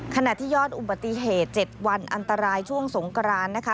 ขณะที่ยอดอุบัติเหตุ๗วันอันตรายช่วงสงกรานนะคะ